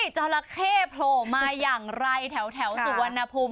จราเข้โผล่มาอย่างไรแถวสุวรรณภูมิ